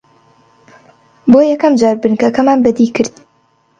بۆ یەکەم جار بنکەکەمان بەدی کرد